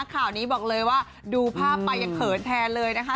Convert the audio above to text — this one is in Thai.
ข่าวนี้บอกเลยว่าดูภาพไปยังเขินแทนเลยนะคะ